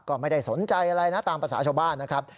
ก็ไม่ได้สนใจอะไรนะตามภาษาชาวบ้านนะครับ